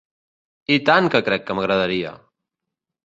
I tant que crec que m'agradaria!